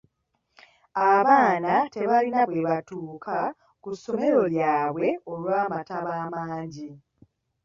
Abaaana tebalina bwe batuuka ku ssomero lyabwe olw'amataba amangi.